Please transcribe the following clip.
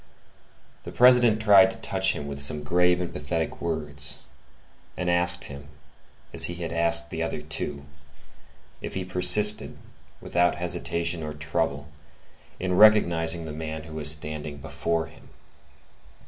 The President tried to touch him with some grave and pathetic words, and asked him, as he had asked the other two, if he persisted, without hesitation or trouble, in recognizing the man who was standing before him.